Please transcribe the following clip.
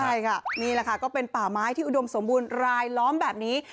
ใช่ค่ะนี่แหละค่ะก็เป็นป่าไม้ที่อุดมสมบูรณ์รายล้อมแบบนี้